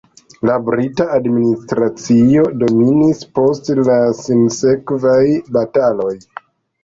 La brita administracio dominis post la sinsekvaj bataloj.